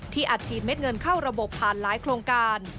อัดฉีดเม็ดเงินเข้าระบบผ่านหลายโครงการ